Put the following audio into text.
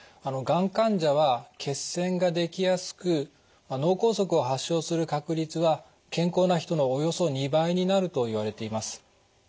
がん患者は血栓ができやすく脳梗塞を発症する確率は健康な人のおよそ２倍になるといわれています。